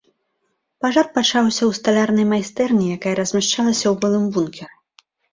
Пажар пачаўся ў сталярнай майстэрні, якая размяшчалася ў былым бункеры.